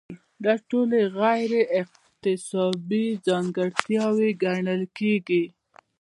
دا ټولې غیر اکتسابي ځانګړتیاوې ګڼل کیږي.